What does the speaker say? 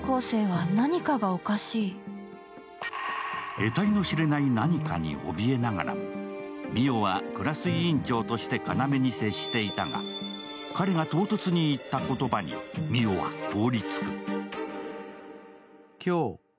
得たいの知れない何かに怯えながらも、澪はクラス委員長として要に接していたが、彼が唐突に言った言葉に澪は凍りつく。